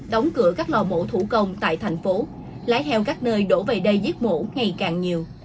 đóng cửa các lò mổ thủ công tại thành phố lái heo các nơi đổ về đây giết mổ ngày càng nhiều